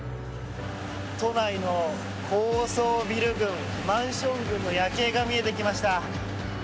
都内の高層ビル群マンション群の夜景が見えてきました。